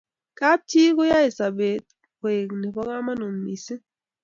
kab chi koae sabet koeng nebo kamagut mising